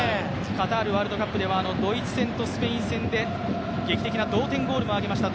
カタールワールドカップではドイツ戦とスペイン戦で劇的な同点ゴールもありました